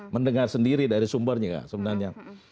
mendengar sendiri dari sumbernya sebenarnya